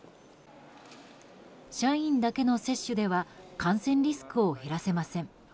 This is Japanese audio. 社員だけの接種では感染リスクを減らせません。